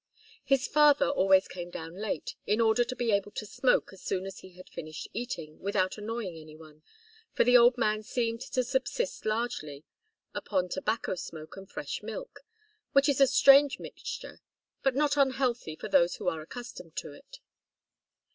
His father always came down late, in order to be able to smoke as soon as he had finished eating, without annoying any one, for the old man seemed to subsist largely upon tobacco smoke and fresh milk which is a strange mixture, but not unhealthy for those who are accustomed to it.